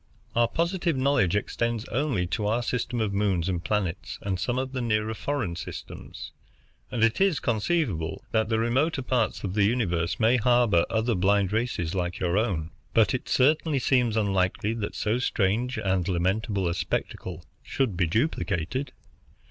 Our positive knowledge extends only to our system of moons and planets and some of the nearer foreign systems, and it is conceivable that the remoter parts of the universe may harbor other blind races like your own; but it certainly seems unlikely that so strange and lamentable a spectacle should be duplicated.